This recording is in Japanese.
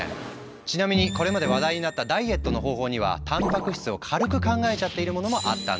ちなみにこれまで話題になったダイエットの方法にはたんぱく質を軽く考えちゃっているものもあったんだ。